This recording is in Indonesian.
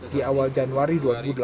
di awal januari dua ribu delapan belas